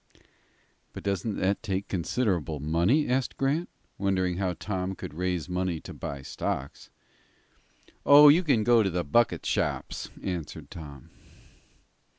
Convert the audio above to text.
"But doesn't that take considerable money?" asked Grant, wondering how Tom could raise money to buy stocks. "Oh, you can go to the bucket shops," answered Tom.